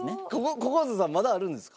小公造さんまだあるんですか？